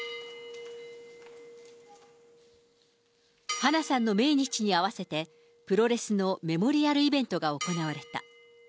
花さんの命日に併せてプロレスのメモリアルイベントが行われた。